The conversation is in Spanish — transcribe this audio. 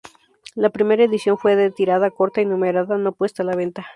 La primera edición fue de tirada corta y numerada, no puesta a la venta.